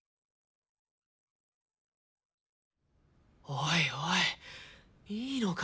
おいおいいいのか？